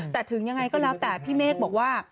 แต่ถึงยังไงก็แล้วแต่พี่เมฆบอกว่า